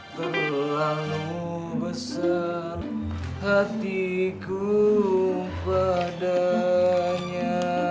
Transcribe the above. terlalu besar hatiku padanya